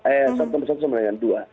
eh satu tambah satu sama dengan dua